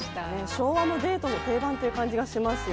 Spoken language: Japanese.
昭和のデートの定番という感じがしますよ